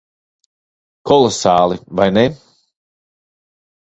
Kolosāli. Vai ne?